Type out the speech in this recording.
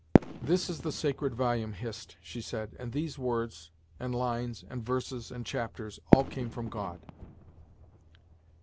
"This is the sacred volume, Hist," she said "and these words, and lines, and verses, and chapters, all came from God."